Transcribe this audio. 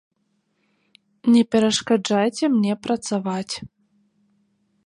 Не перашкаджайце мне працаваць.